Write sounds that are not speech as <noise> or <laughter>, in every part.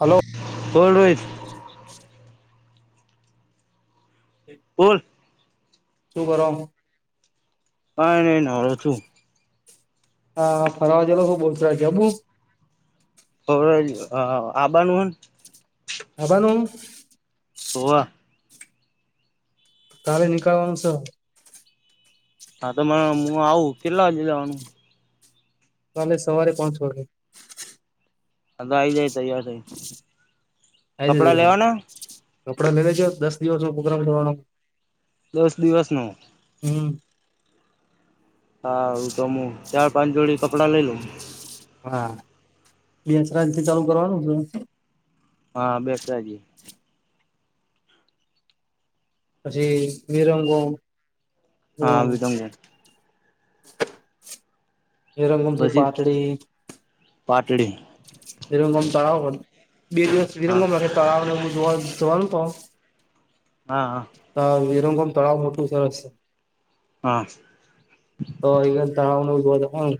Hello બોલ રોહિત, હ, બોલ, શું કરો, કઈ નહી નાવુ છું. હા ફરાજલો બહુ થયું છે, ઓ આબા નું, હ બનું, વાહ. કાલે નિકળવાનું છે. હા તોને હું આવું કેટલા વાગે લેવાનું કાલે સવારે પહોંચવાનું, અમે આઈ જાય તૈયાર થઈ. આ જ કપડાં લેવાના કપડા લઈ લેજો દસ દિવસ પ્રોગ્રામ જવાનો, દસ દિવસ નો, હમ. હા તો હું ચાર પાંચ જોડી કપડાં લઈ લઉં. હા બેસરાથી ચાલુ કરવાનું છે. હા બેસ જ પછી તિરંગો. હા તમ‌‌. હે રંગમથી પછી પાતડી‌. પાટડી. વિરંગમ તળાવ બે દિવસ હા વિરંગમ તળાવ ને એવું જોવાનું તો, હા. હા વિરંગામ તળાવ મોટું સરસ છે. હા. તો એ તળાવ ન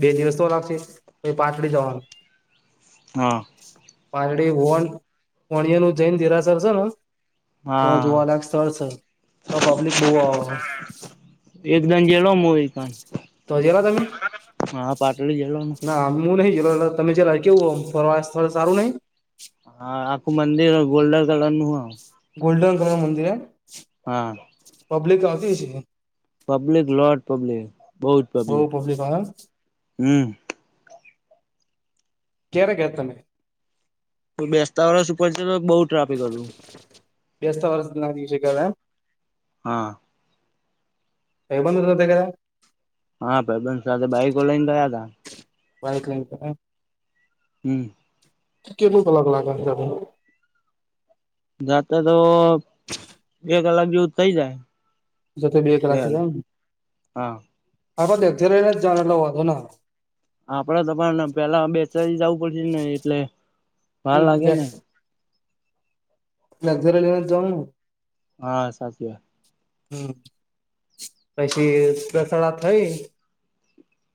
બે દિવસ તો લાગશે પાતળી જવાનું. હા. પાડી વાણ્યનું જૈન દેરાસર છે ને, તો હા જોવાલાયક સ્થળ છે તો પબ્લિક બહુ આવે. એકદ જેલોમ એ પણ તો ગેલા તમે? હા પાટલું જેલોનું. ના હું નહી <unintelligible> સારું નહી હા આખું મંદિર ગોલ્ડન કલર નું હો ગોલ્ડન કલર મંદિર હ. હા પબ્લિક ઓફી છે. પબ્લિક લોટ પબ્લિક બૌ જ બહુ પબ્લિક આવે એમ હમ્મ કે્યારે ગયાત્ય બેસ્તા વરસ ઉપર છે તો બહુ ટ્રાફિક હતું બેસ્તા વર ના <unintelligible> હા <unintelligible> કયા હા પ્રબંધ સાથે બાઈકો લઈને ગયા <unintelligible> હમ્મ કેનું પલ <unintelligible> જાતે તો બે કલાક જેવું થઇ જાય જ બે કલાકે જને હા. હ અ્યારેને ચાર એટલો વાંધો આપડે તો પણ પેલા બેચલી જવું પડશે ને એટલે ભાર હમ લાગે ને. લગઝરી લેને જઉં હને હા સાચી વાત <unintelligible> થઈ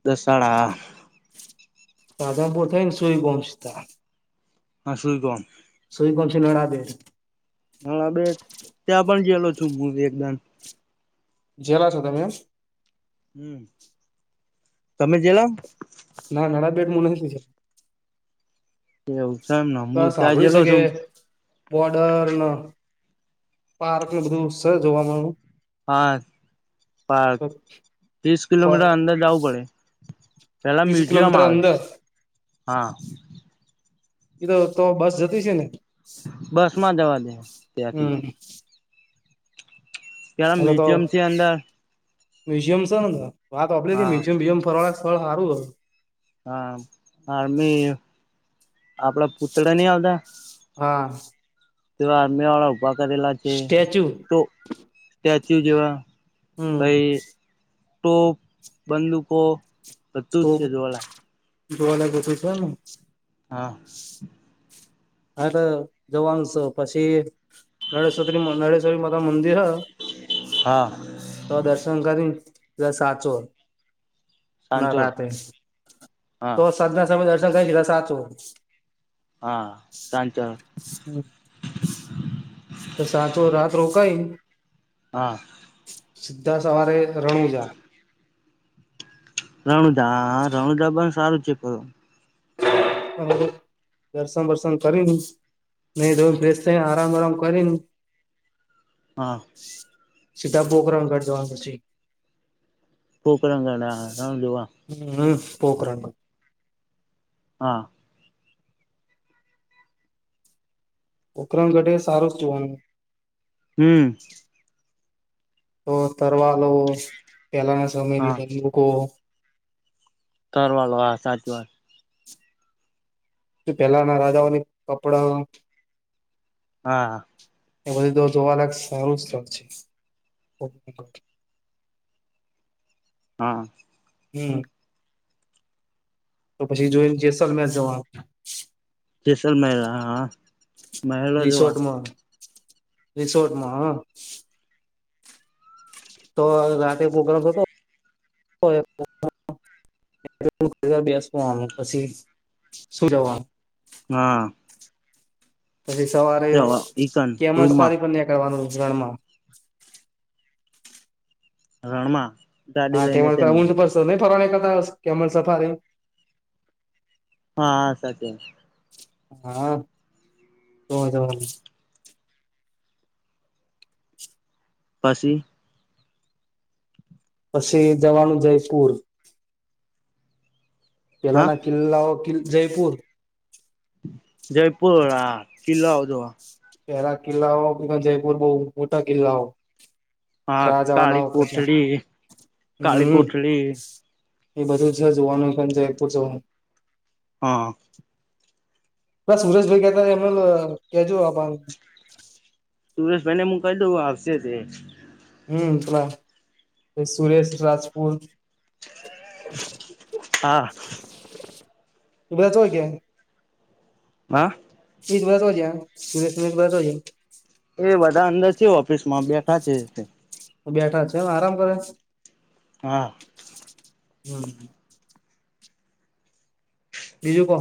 ત સાડા સાધમપ થાય સુઈ પહચતા હ સુું કોણ સુઈ કો છડા દ હા બે ત્યાં પણ જયેલો છું હું એકદમ જેલા છો તમેમ હમ્મ તમે જેલા ના નાળા બેટ મન છે. એવું છે એમને હું પણ સાંભળ્યું છે ચજેલો કે છું બોર્ડર ન પાર્ક ન બધું સે જોવાનું હા પાક ત્રીસ કિલોમીટર અંદર જવું પડે પેલા ત્રીસ મ્યુઝિયમ કિલોમીટર આવે અંદર હા કીધ તો બસ જતી છે ને. બસ માં જવા દે ત્યા હમ ત્યાં અ તો મ્યુઝિયમ છે અંદર મ્યુઝિયમ છે ને વાત ઓપરી કે હા મ્યુઝિયમ મ્યઝિયમ ફરવાળ ફળ હારું હ હા આમી આપડા પુતળા નહી આવતા હા તે આરમેિયા વાળા ઉભા કરેલા છે સ્ટેચ્યુ તો સ્ટેચ્યુ જેવા હમ કઈ ટોપ બંદૂકો બધું તો જ છે જોવાલાયક જોવાલાતું છે એમ હા હા તો જવાનુંશ પછી નરેેશ્વ્રી નરેેશ્વરી માતા મંદિર હ હા તો દર્શન કરીને ત સાચો ના સાંચોર રાતેે હા તો સદના સમય દર્શન કઈ છે સાચું હા સાંચ હમ તો સાચો રાત રોકાઈ હા સીધા સવારે રણુજા. રણુજા રણુજા પણ સારું છે. હ દર્શન વર્સન કરીને નહી તો ફ્રેશ થઈ આરામ આરામ કરીને. હા સીધા પોખરામગઢ જવાનું પછ કોકરાંગણા રામલીવા હમ પોકરાન હા પોખરણ ઘઢે સારો જ જોવાનું. હમ તો તરવાલો પહેલાના હા સમયની બંદકો તરવાલ વાા સાચ વાત પેલાના રાજાઓને કપડા હા એ બધું તો જોવા લાયક સારું સ્થળ છે ઓકે ઓકે. હા હમ તો પછી જોઈને જેસલમેર જવાનુ. જેસલમેર હા મહેલો જોવા. રિસોર્ટમાં રિસોર્ટમાં તો રાતે પ્રગ્રામ હતો. બેસવાનું પછી સૂઈ જવાનું. હા પછી સવારે તે ઈકન કેમલ રૂમમાં ફરી પણ નીકળવાનું રણમાં રણમાં ગાડી હા તે લઈને ઊંટ તેમની પર ન ફરવા કર કેમ સફ હા સાચ હા તો જવા પછી પછી જવાનું જયપુર. પેલા હા ના કિલ્લાઓ કિલ્ જયપુર જયપુર હા કિલ્લો આવજો. પહેલા કિલ્લાઓ જયપુર બહ મોટા કિલ્લાઓ હા રાજાના કાળી વખત કોઠડી કાળી હમ કોઠડી એ બધું છે જોવાનું કે જયપુર જવાનું. હા બસ સુરેશ ભાઈ કેતા એમ કેજો સુુરશ બાઈને હું કહી દઉ આવશે તે હમ પલા સુરેશ રાજપુર હા એ બધા તોઈ ગયા. <unintelligible> <unintelligible> એ બધા અંદર છે ઓફિસ માં બેઠાં છે. બેઠા છે એમ આરામ કરે છે. હા <inaudible> બીજું કો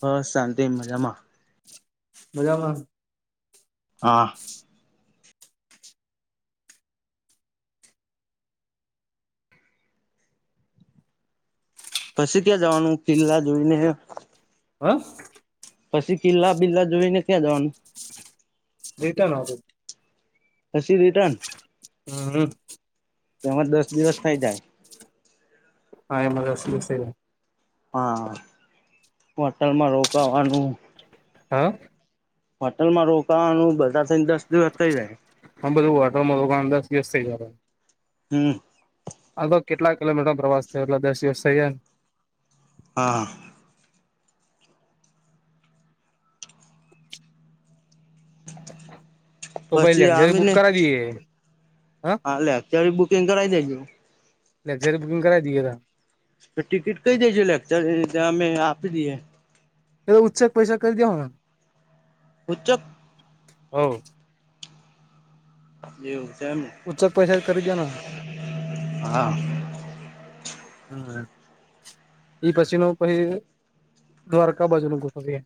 હ શાંતિ મજામાં. મજામાં? હા પછી ક્યાં જવાનું કિલ્લા જોઈને.? હા પછી કિલ્લા બીલા જોઈને ક્યાં જવાનું.? રિટર્ન આવશુ. હછી રિટર્ન? હમ હ, તેમાં દસ દિવસ થઈ જાય. હા એ મું <inaudible> હા હોટલમાં રોકાવાનું હા? હોટલમાં રોકાવાનું બધા થઈને દસ દિવસ થઈ જાય.? હમ બધું વાટરમાં રોકાવુ દસ દિવસ થઇ જાય. હમ આ તો કેટલા કિલોમીટર ન પ્રવાસ થયો એટલે દસ દિવસ થઈ જ ને.? હા હા!. પછી આમી ને દરિયે હા લે અત્યારે બુકિંગ કરાવી દેજો. લગઝરી બુકિંગ કરાવી દઈ એા તો. તો ટિકિટ કઈ દેજો <inaudible> અમે આપી દઈએ. એ ઉચેક પૈસા કરી દેવાનું? ઉચ્ચક? હ એવું છે એમ ને? ઉચ્ચક પૈસા કરી દે ને હા હમ એઈ પછી નું પછી, દ્વારકા બાજુ નુ ગુઠવીએ.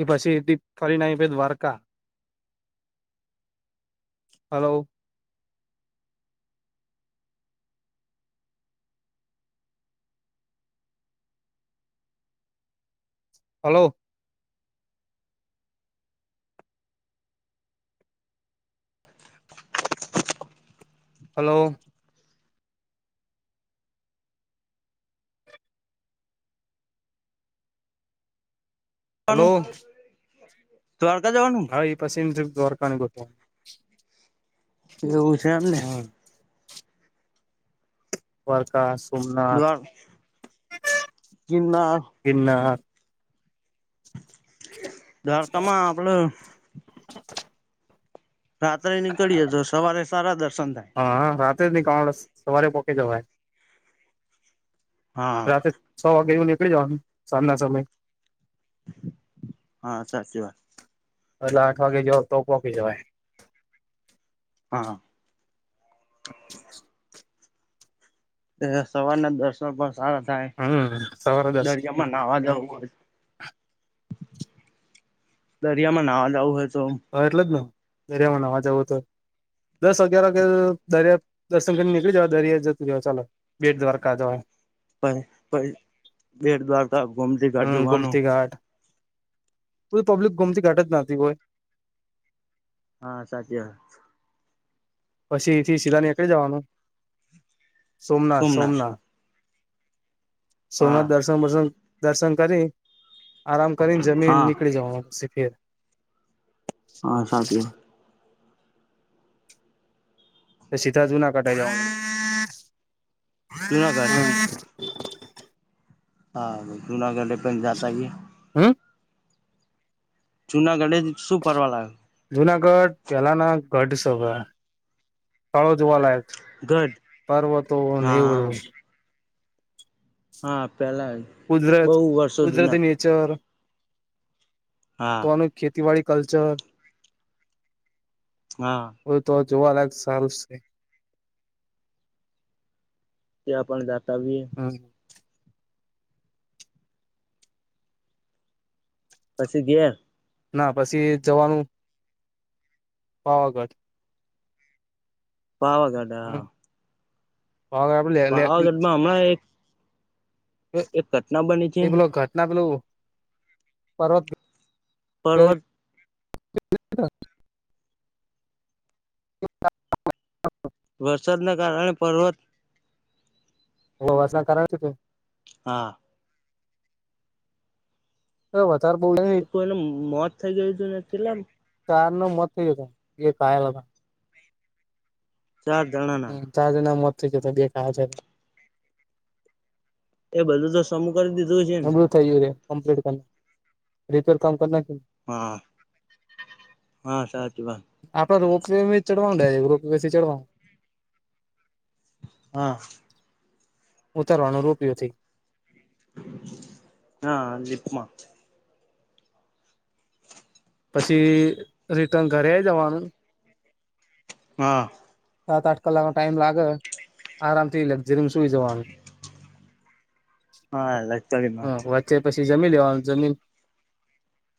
એ પછી દિ ફરીને આયી Dwarka, hello! Hello? Hello! Hello વાનું દ્વારકા જવાનું? ઈ પછીની દ્વારકાનું ગોઠવવાનું. એવું છે એમને? હા દ્વારકા, સોમનાથ, દ્વાર ગિરનાર ગીરનાર દ્વારકામાં આપડે રાત્રે નીકળીએજો સવારે સારા દર્શન થાય. હ હ રાત ન કાર સવારે પોકે જવાય. <unintelligible> હા રાત્ર છ વાગે એવું નીકળી જવાનું સાંજના સમયે હા સાચી વાત, એટલે આઠ વાગે જો તો પોકી જવાય. હા હા સવારના દર્શન પણ સારા થાય હમ સવારે દસ દરિયામા માં નાવા જવું હોય? દરિયામાં નાવા જવું હોય તો હા એટલે જ ને દરિયામાં નવા જાવો તો દસ અગિયાર વાગ દરિયા દર્શન કરીને નીકળી જવા દરિયા જતું રવા ચાલો. બેટ દ્વારકા જવા. પહી પહી બેડ દ્વારકા ગોમતીઘાટ હમ જોવાનો. બધી પબ્લિક ગોમતીઘાટ જ નાતી હોય. હા સાચી વાત. પછી ઇ થી સીધા નેકળી જવાનું સોમના સોમનાથ સોમના સોમનાથ હા દર્શન બર્શન દર્શન કરી આરામ કરીન જમી ન હા નીકળી જવા નું પછી ઘેર. હા સાચૂ હ. પ સીધા જુનાગઢ આઈ જવાનું. જુનાગઢ. હા જૂનાગઢ ડિપેન જાસઈ. હમ. જુનાગઢે જ શું ફરવા લાય. જુનાગઢ પહેલાના ગઢ સવા સ્થળો જોવાલાયક. ગઢ પર્વતોન એવું હા બધું. હા પેલાય કુદરત કુદરતી નેચર. હા. તો નું ખેતીવાડી કલ્ચર. હા. બધું તો જોવાલાયક સારું સે. તે આપ પણ જાતા જીએ. હમ. પછી ઘેર. ના પછી જવાનું પાવાગઢ. પાવાગઢ હા. પાવા પાવાગઢ માં હમણાં એક એ એક ઘટના બની છે એ પેલો ઘટના પેલું પર્વત પર્વત <unintelligible> <unintelligible> વરસાદના કારણે પર્વત ઓ વાસા કરાવ છે તું. હા. તો વધાર બોલય તો કોઈનું મોત થઈ ગયું તુ ને તેટલેમ ચાર નું મોત થઈ ગયું હતુ જો એ કહેલા હતા. ચાર જણાના. ચાર જણ ના મોત થઈ ગ્યા તા બે ટાયર છેમાં એ બધું તો સમૂ કરી દીધું હશે ન. બધું થઈ ગ્યું સે કમ્પ્લીટ કર રિપેર કામ કર નાખ્યું ન. હા હા સાચી વાત. આપડે રોપ વે મે ચડવાનું ડાયરેક રોપ વેથી ચડવાનું. હા. ઉતારવાનું રોપવેથી. હા લિપમાં. પછી રિટર્ન ઘરે આઈ જવાનું. હા સાત આઠ કલાક નો ટાઈમ લાગે આરામ થી લક્ઝરીમ સુઈ જવાનું. હા લક્ઝરીમાં હા વચ્ચે પછી જમી લેવાનું જમીન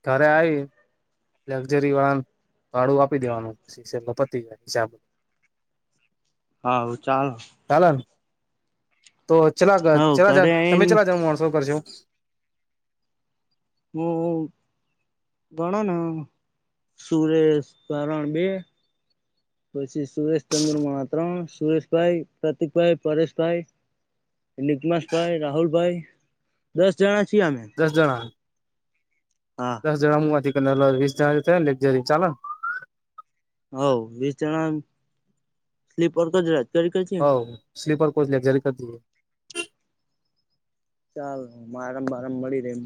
ખરે આય લક્ઝરી વાહન ભાડું આપી દેવાનું <unintelligible> હિસાબ. હા હું ચાલ. ચાલન તો ચલા હવ ચલા જ ઘરે આઈન તમે ચલા જ વસઅપ કરશો. હુ હુ ભણન સુરેશ કરણ બે પછી સુરેશ ચંદ્ર મા ત્રણ ત્ સુરેશભાઈ પ્રતિકભાઈ પરેશભાઈ લિકમાસ ભાઈ રાહુલભાઈ દસ જણા છીએ અમે. દસ જણા હા દસ જણા મા હુંહથી કરી વીસ જણા લઝરી ચાલે હ વીસ જણા સ્લીપર ક જરા. હોઅ સ્લીપર કોચ લક્ઝરી કરજે ચાલ આરમ બારમ મળી રહે.